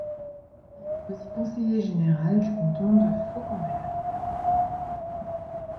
Il est aussi conseiller général du canton de Fauquembergues.